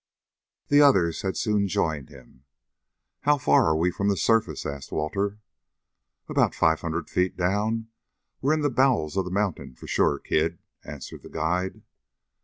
The others had soon joined him. "How far are we from the surface?" asked Walter. "About five hundred feet down. We're in the bowels of the mountain for sure, kid," answered the guide.